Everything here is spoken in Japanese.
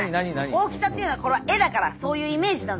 大きさっていうのはこれは絵だから。